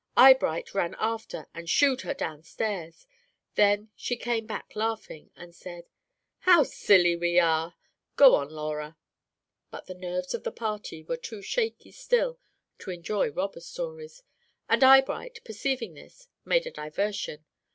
Eyebright ran after, and shoo ed her downstairs. Then she came back laughing, and said, "How silly we were! Go on, Laura." But the nerves of the party were too shaky still to enjoy robber stories, and Eyebright, perceiving this, made a diversion.